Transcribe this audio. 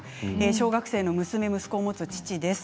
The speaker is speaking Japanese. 小学生の娘、息子を持つ父です。